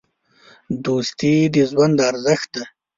دوستي د ژوند ارزښت دی.